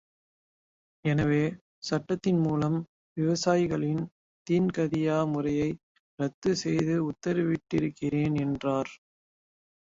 எனவே, சட்டத்தின் மூலம் விவசாயிகளின் தீன்கதியா முறையை ரத்துச் செய்து உத்திரவிட்டிருக்கிறேன் என்றார்.